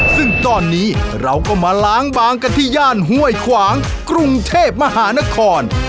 ซึ่งตอนนี้เราก็มาล้างบางกันที่ย่านห้วยขวางกรุงเทพมหานคร